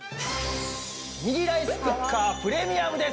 ミニライスクッカープレミアムです。